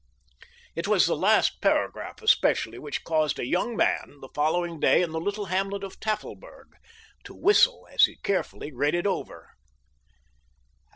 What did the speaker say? It was the last paragraph especially which caused a young man, the following day in the little hamlet of Tafelberg, to whistle as he carefully read it over.